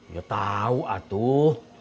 ya tau atuh